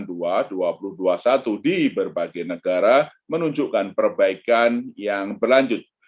di berbagai negara menunjukkan perbaikan yang berlanjut